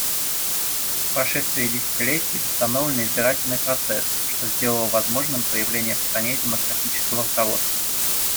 По прошествии десятилетий восстановлен избирательный процесс, что сделало возможным появление в стране демократического руководства.